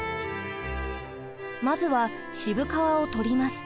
まずは渋皮を取ります。